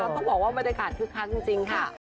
ต้องบอกว่ามันจะขาดทุกครั้งจริงค่ะ